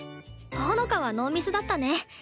ほのかはノーミスだったね。